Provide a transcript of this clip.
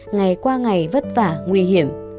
ngày qua ngày vất vả nguy hiểm